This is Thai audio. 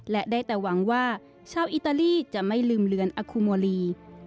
และได้แต่หวังว่าชาวอิตาลีจะไม่ลืมเรือนอคุโมลี